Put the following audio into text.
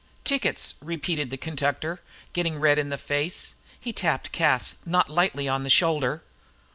"Tickets," repeated the conductor, getting red in the face. He tapped Cas not lightly on the shoulder.